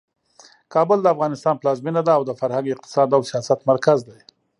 کابل د افغانستان پلازمینه ده او د فرهنګ، اقتصاد او سیاست مرکز دی.